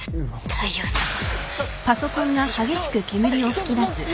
大陽さま！